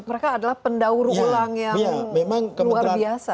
mereka adalah pendaur ulang yang luar biasa